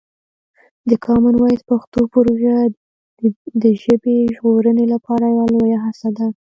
د کامن وایس پښتو پروژه د ژبې ژغورنې لپاره یوه لویه هڅه ده.